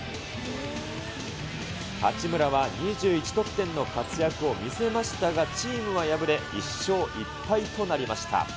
八村は２１得点の活躍を見せましたが、チームは敗れ、１勝１敗となりました。